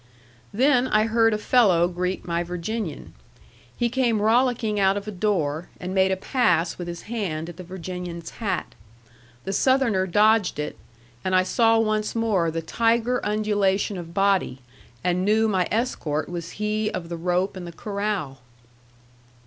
Then I heard a fellow greet my Virginian. He came rollicking out of a door, and made a pass with his hand at the Virginian's hat. The Southerner dodged it, and I saw once more the tiger undulation of body, and knew my escort was he of the rope and the corral.